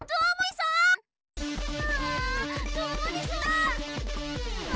そうだね。